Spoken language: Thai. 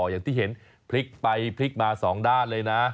อย่างที่เห็นพลิกไปพลิกมาสองด้านเลยนะ